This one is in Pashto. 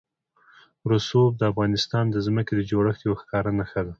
رسوب د افغانستان د ځمکې د جوړښت یوه ښکاره نښه ده.